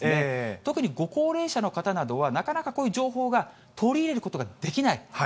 特にご高齢者の方などは、なかなかこういう情報が取り入れることができない。